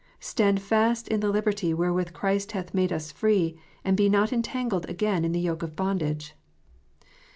" Stand fast in the liberty wherewith Christ hath made us free, and be not entangled again in the yoke of bondage."